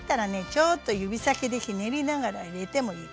ちょっと指先でひねりながら入れてもいいわよ。